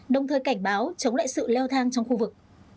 đồng thời cảnh báo chống lại sự leo thang trong khu vực